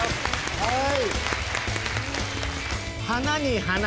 はい。